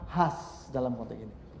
khas dalam kotek ini